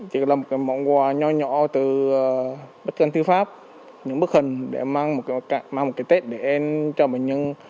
chỉ là một món quà nhỏ nhỏ từ bức ảnh thư pháp những bức hình để mang một cái tết để cho bệnh nhân